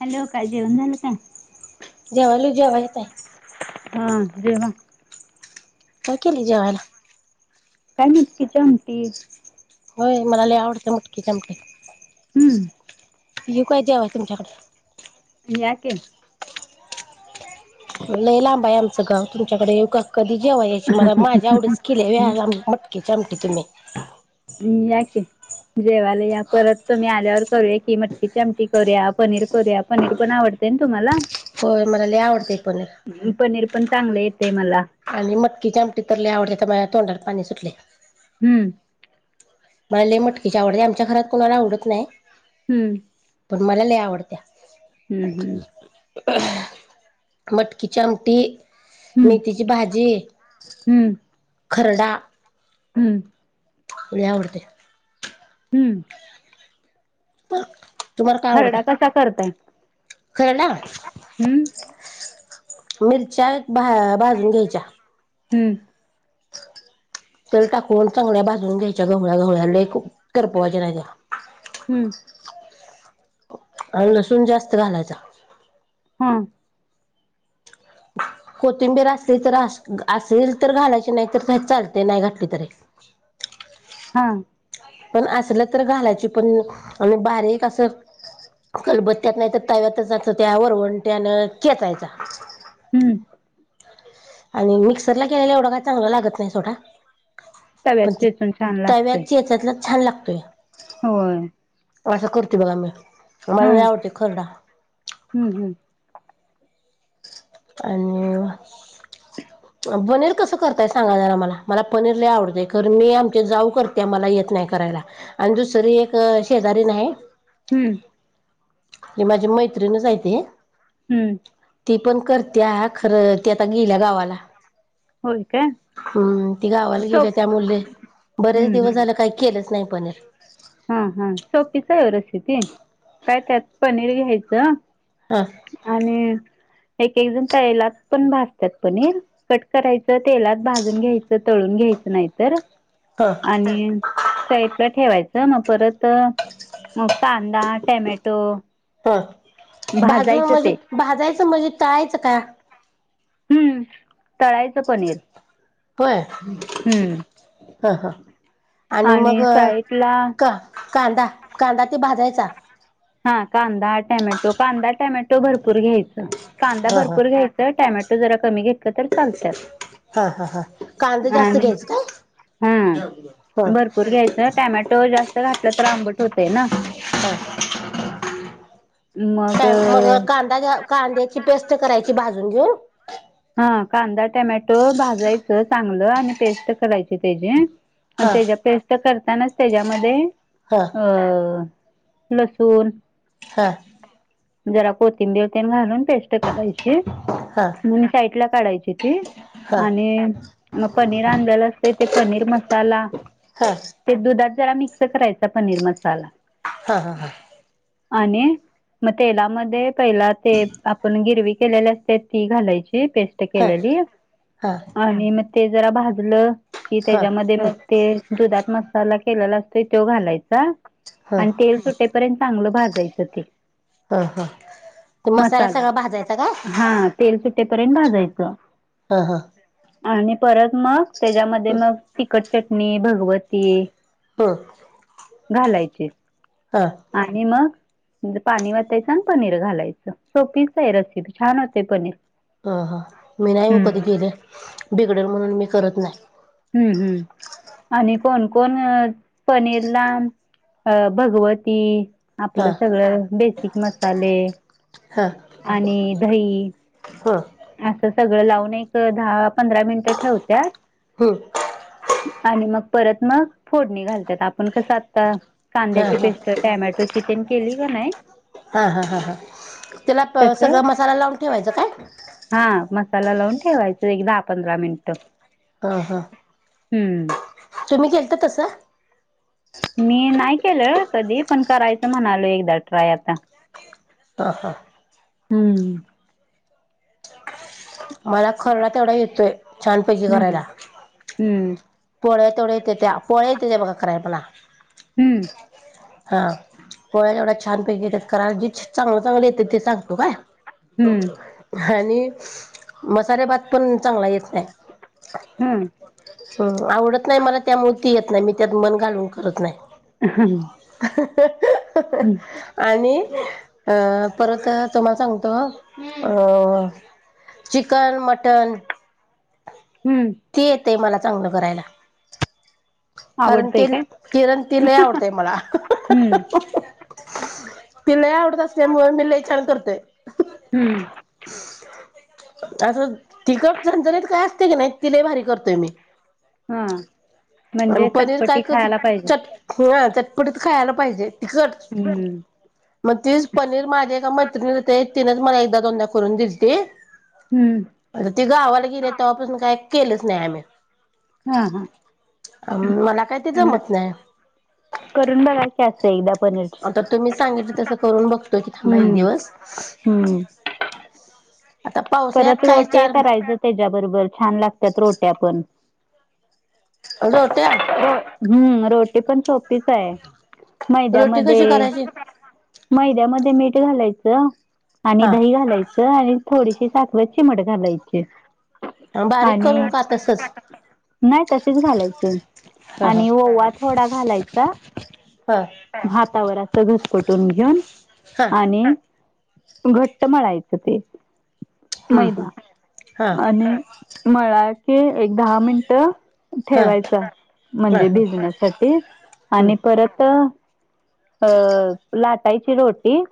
Hello काय जेवण झालं का? जेवलोय. जेवायचं आहेे. हां जेवा. काय केलंय जेवायला? काय मटकी ची आमटी. होय मला लई आवडतंय मटकीची आमटी. हम्म. येऊ काय जेवाय तुमच्याकड? या की. लई लांब आहे आमचं गाव तुमच्याकडे येऊ का? कधी जेवाय यायची मला माझ्या आवडीचं केलंय वय मटकीची आमटी तुम्ही? या की जेवायला या परत तुम्ही आल्यावर... करूया की मटकी ची आमटी करूया पनीर करूया पनीर पण आवडतंय ना तुम्हाला? होय मला लई आवडतंय पनीर. चांगल येतेय मला. आणि मटकीची आमटी तर लय आवडत्या, तर माझ्या तोंडात पाणी सुटलय. हम्म, मला लय मटकीची आवडते, आमच्या घरात कोणाला आवडत नाय. हम्म, पण मला लय आवडत्या हम्म, हम्म. मटकी ची आमटी. हम्म मेथीची भाजी, हम्म हम्म खरडा. हम्म, लय आवडतय. हम्म तुम्हाला काय खरडा आवडतंय. कसा करताय? खायला हम्म मिरच्या एक भाजून घ्यायच्या. हम्म, तेल टाकून चांगल्या बाजून घ्यायच्या, गवळ्या, गवळ्या लय करपवायच्या नाही त्या. हम्म, आणि लसूण जास्त घालायचा. हम, कोथिंबीर असेल तर असेल तर घालायचे नाही तर, काही चालतय नाही घातली तरी. रिकामा ऑडिओ हा, पण असल तर घालायची, पण आणि बारीक असं खलबत्त्यात नाय तर तव्यातचं जाच त्या वरवंट्यानं चेचायचां. हं आणि मिक्सरला केलेला एवढं काय चांगला लागत नाय सोडा. तव्यात पण ते चेचून छान लागतय तव्यात चेचातलाच छान लाग होय. असं करते बघा मी, मला हा लय हम्म आवडतय खरडा हम्म आणि पनीर कसं करताय सांगा जरा मला, मला पनीर लय आवडतंय खरं मी आमच्या जाऊ करत्या, मला ये येत नाय करायला, आणि दुसरी एक शेजारीन हाय हम्म आणि माझी मैत्रिणच हाय ती हूं ती पण करत्या, खरं ती आता गेल्या गावाला. होय काय. हम्म, ती गावाला गेल्या सोप त्यामुले, बरेच हम्म दिवस हम्म झाले काय केलंच नाय पनीर. हा, हा सोपीच हाय ओ रेसिपी, काय त्यात पनीर घ्यायचं. हा आणि एक एक जण तेयलात पण भाजत्यात पनीर, कट करायचं तेलात भाजून घ्यायचं, तळून घ्याय नाय तर हा आणि साईटला ठेवायच, म परत त मग कांदा, टॅमेटो हा भाजून म्हणजे, भाजायचं म्हजे तळायच का? हम्म, तळायचं पनीर. होय हम्म, ह ह आणि मग, क कांदा, कांदा ते भाजायचा. हा, कांदा, टॅमॅटो, कांदा टॅमॅटो भरपूर घ्यायच. कांदा हा हा भरपूर घ्यायच, टॅमेटो जरा कमी घेतलं तर चालत्यात हा हा हा कांदा जास्त घ्यायच काय? हा ह भरपूर घ्यायचं टॅमॅटो जास्त घातला तर आंबट होतय ना. [inaudible] काय मग कांदा कांद्याची पेस्ट कराय ती भाजून घेऊ ह कांदा, टोमॅटो भाजायचं चांगलं, आणि पेस्ट करायची त्याची. आणि हा त्याच्या पेस्ट करतानाच त्याच्यामध्ये हा अ लसून, हा. जरा कोथिंबीर तेन घालून पेस्ट करायची हा हा म साईटला काढायची ती, आणि मग पनीर आणलेलं असतंय ते पनीर मसाला हा हा ते दुधात जरा मिक्सं करायचा पनीर मसाला. हा हा हा. आणि मग तेलामध्ये पहिला ते आपण गिरवी केलेले असते ती घालायची. ती पेस्ट हा ह ह केलेली आणि म ते जरा भाजलं की त्याच्यामध्ये मग ते दुधात मसाला केलेला असतोय त्यो घालायचा. ह ह आणि तेल सुटेपर्यंत चांगलं भाजायचं ते. ह ह ते मसाला सगळा भाजायचा काय हा तेल सुटेपर्यंत भाजायचं. हा हा. आणि परत मग त्याच्यामध्ये मग तिखट चटणी, भगवती हं घालायचे आणि मग पाणी वतायचं आणि पनीर घालायचं सोपीच अय रसिपी छान होतय पनीर. ह हा मी नाय ओ कधी हम्म केले बिघडल म्हणून मी करत नाय. हम्म हम्म. आणि कोण कोण पनीर ला अ भगवती हा आपलं सगळं बेसिक मसाले हा आणि दही, ह असं सगळं लावून एक दहा पंधरा मिनिटं ठेवत्या हम्म. आणि मग परत मग फोडणी घालतात आपण कसं आत्ता हा कांद्याची हा पेस्ट टॉमॅटोची तेन केली का नाही हा हा हां हा, त्याला तसं सगळं मसाला लावून ठेवायचा काय? ह, मसाला लावून ठेवायचं एक दहा पंधरा मिनिट. ह ह. हम्म. तुम्ही केलतं तसं? मी नाही केलं कधी, पण करायचं म्हणालो एकदा ट्राय आता. ह हा. हम्म. मला खरडा तेवढा येतोय, छानपैकी हम्म करायला हम्म पोळ्या तेवढ्या येतेत्या, पोळ्या येतेत्या बघा कराय मला. हम्म. हा, पोळ्या तेवढ्या छान पैकी येतात करायला, जे चांगलं चांगलं येते ते सांगतो काय? हम्म आणि मसाले भात पण चांगला येत नाही. हम्म. हम, आवडत नाही मला त्यामुळं ते येत नाही मी त्यात मन घालून करत नाही. [unintelligible] हम्म [unintelligible] आणि अ परत अ तुम्हाला सांगतो अ चिकन, मटन हम्म ते मला चांगलं करायला. कारण ते आवडतंय काय किरण ती लय आवडतय मला. हम्म ते लय आवडत असल्यामुळं मी लय छान करते. हम्म असं तिकटजरीत काय असते की नाही तिले भारी करतोय मी हा आणि म्हणजे पनीर काय चटपटी कध खायला पाहिजे चट ह च तिकडच खायला पाहिजे तिकट हम्म मग तीच पनीर माझे का मैत्रिणी ते तिनच मला एकदा दोनदा करून दिलीती हम्म आता ती गावाला गेली तेव्हापासून काय केलंच नाही मी हा हा अ मला काही ते न- जमत नाही याच एकदा पनीरची आता तुम्ही सांगितलं तसं करून बघतोय की थांबा एक हम्म दिवस, हम्म [unintelligible] पावसाळ्यात परत काय रोट्या चार करायचं त्याच्याबरोबर छान लागतात रोट्या पण. रोट्या? रो हम्म रोटी पण सोपीच आहे. रोटी मैद्यामध्ये कशी करायची मैद्यामध्ये मीठ घालायचं आणि दही हा घालायचं आणि थोडीशी साखरे ची चिमट घालायची. हा बारीक आणि करून का तसच? नाही तशीच घालायचे हा हा आणि ओवा थोडा घालायचा हा हातावर असं घसकटून घेऊन हा आणि घट्ट मळायचं ते हम्म हम्म मैदा हा आणि मळा क एक दहा मिनट हा ठेवायच हा म्हणजे हा बिझनेस सा हम्म आणि परत अ लाटायची रोटी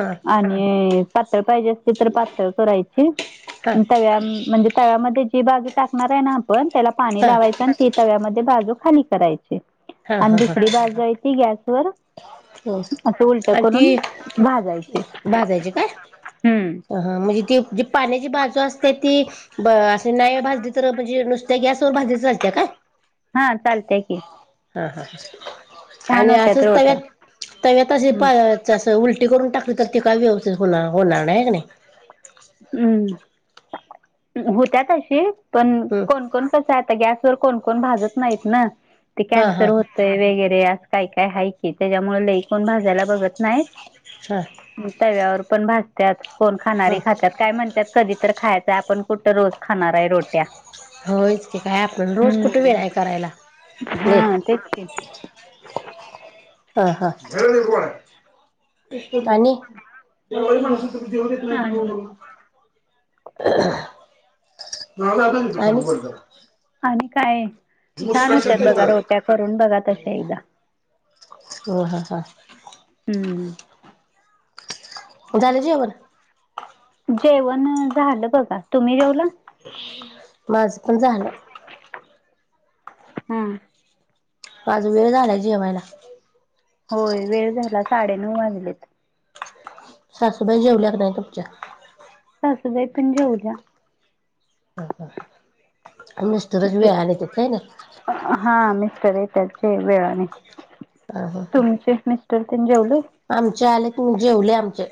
हा आणि पळ पाहिजे अस तर पातळ करायची हा तव्या म्हणजे तव्यामध्ये जी बाजू टाकणार आहे ना आपण त्याला पाणी हा लावायच आणि ती तव्यामध्ये बाजू खाली करायची हा आणि हा हा दुसरी बाजू य ती गॅसवरर हो असं उलट आणि करून ती भाजयचे भाजायची काय हम्म ह म्हणजे ती जी पाण्याची बाजू असते ती अस नाही भाजली तर म्हणजे नुसत्या गसवर भाज ते्या काय हा चालतय की हा हा छान आणि होत्यात असच तव्यात रोट्या हम्म तव्यातशी उलटी करून टाक क तर तिक हो होणार नाही हगने हम् होत्यात अशी पण हम्म कोणकण कस आता गॅस कोणकण भाजत नाहीत ना ते हा हा कॅन्सर होत वगैरे अस काय काय आहे त्याच्यामुळे लई कोण भाजायला बघत नाही हा तव्यावर पण भाजतत कोण हा खाणारी खातात काय म्हणतात कधी तर खायचंय आपण कुठं रोज खाणार आहे रोट्या होयच की काय आपण रोज कुठे हम्म वेलाय करायला हा तेच की हा हा आणि जवढ येत नाही आप कात आणि काय छान होत्या बघा रोप्या करून बघा तश एकदा हो ह ह हम्म झालेचीी अवरण जेवण झालं बघा. तुम्ही जेवला? माझं पण झालं. हम्. आज वेळ झालाय जेवायला. होय वेळ झाला साडेनऊ वाजलेत. सासूबाई जेवल्या क नाही तुमच्या? सासुबाई पण जेवल्या. हा, हा. मिस्टरच वेळाने येतात काय नाही हा मिस्टर येत. त्याचे वेळाने हा, हा, हा. तुमचे मिस्टर तेन जेवलेत? आमचे आलेतनी जेवले आमचे.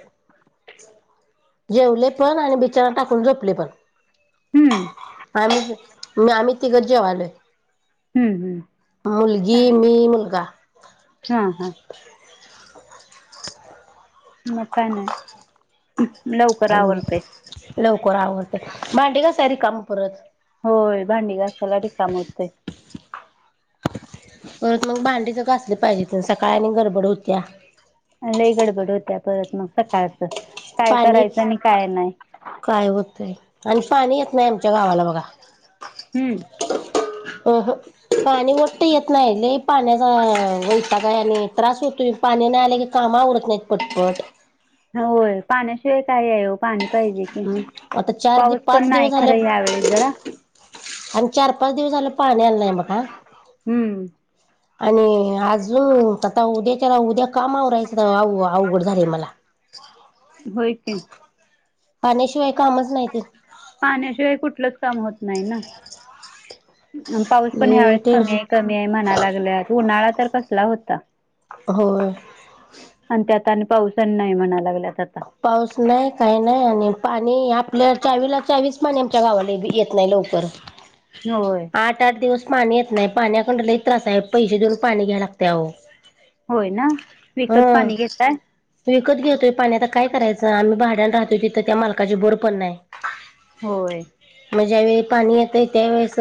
जेवले पण आणि बिछाना टाकून झोपले पण. हम्म आम्हीच मी आम्ही तिघंच जेवालोय. हम्म हम्म मुलगी मी मुलगा हा हा. म काय नाही लवकर आवरतय. होय आवरतय. भांडी घासाय रिकामी परत. होय भांडी घासायला रीकाम होतय. परत मग भांडी तर घासली पाहिजे सकाळ आणि गडबड होत्या. लई गडबड होत्या परत म सकाळचं काय पाणी करायचं आणि काय नाही. काय होतंय आणि पाणी येत नाही आमच्या गावाला बघा. हम्म. अ ह पाणी वट्ट येत नाही लय पाण्याचा वैताग हाय आणि त्रास होतोय. पाणी नाही आल की काम आवरत नाहीत पटपट. होय पाण्याशिवाय काय आहे वो पाणी पाहिजे की. ह आता चार दि पाऊस पाच पण दिवस नाही झालं खरं यावेेळेस जरा. आणि चार पाच दिवस झाल पाणी आल नाही बगा, हम्म आणि अजून आता उद्याच्याला उद्या काम आवरायचं अवघड झालय मला. [inaudible] होय की. पाण्याशिवाय कामच नाही ते पाण्याशिवाय कुठलंच काम होत नाही ना. पाऊस पण ह्या लय वेळेस टेन्श कमी हाय कमी हाय म्हणाय लागल्यात उन्हाळा तर कसला होता. होय. आणि पाऊस आणि नाही म्हणा लागल्यात. आता पाऊस नाही काही नाही आणि पाणी आपल्या च्यावीला च्यावीच पाणी आमच्या गावाला बी येत नाही, लवकर होय आठ आठ दिवस पाणी येत नाही पाण्याकंड लय त्रास हाय पैसे देऊन पाणी घ्या लागतय आवो. होय ना विकत पाणी घेताय? वीकत घेतोय पाणी आता काय करायचं आम्ही भाड्यान रहातोय तिथं त्या मालकाची बोर पण नाही. होय. ज्यावेेळी पाणी येतय त्यावेेळेस